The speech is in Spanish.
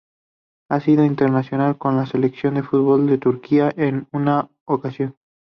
Ha sido internacional con la Selección de fútbol de Turquía en una ocasión.